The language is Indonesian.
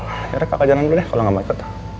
akhirnya kakak jalan dulu deh kalau gak mau ikut